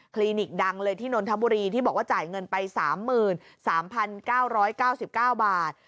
ลิกดังเลยที่นนทบุรีที่บอกว่าจ่ายเงินไป๓๓๙๙๙บาท